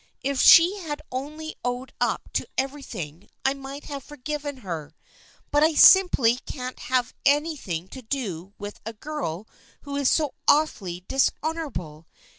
If she had only owned up to everything I might have forgiven her. But I simply can't have anything to do with a girl who is so awfully dishonorable.